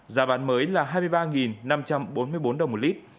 giá bán mới là hai mươi ba năm trăm bốn mươi bốn đồng một lít